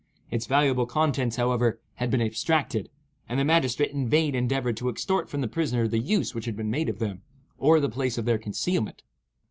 Its valuable contents, however, had been abstracted, and the magistrate in vain endeavored to extort from the prisoner the use which had been made of them, or the place of their concealment.